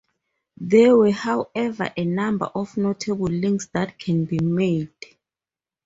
There were, however, a number of notable links that can be made.